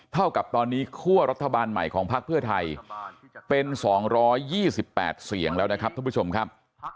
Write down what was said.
เท่ากับตอนนี้คั่วรัฐบาลใหม่ของพักเพื่อไทยเป็น๒๒๘เสียงแล้วนะครับท่านผู้ชมครับ